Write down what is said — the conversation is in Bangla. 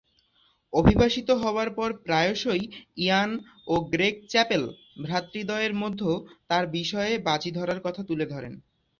অভিবাসিত হবার পর প্রায়শঃই ইয়ান ও গ্রেগ চ্যাপেল ভ্রাতৃদ্বয়ের মধ্যে তার বিষয়ে বাজি ধরার কথা তুলে ধরেন।